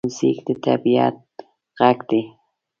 موزیک د طبعیت غږ دی.